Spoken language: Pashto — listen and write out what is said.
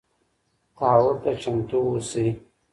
تحول ته چمتو اوسئ.